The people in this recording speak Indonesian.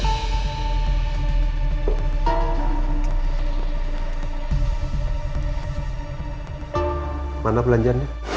kan tadi pagi kau pilah